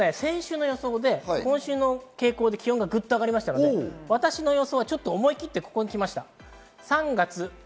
これは先週の予想で、今週の傾向で気温がぐっと上がったので、私の予想は思い切って、こう行きます。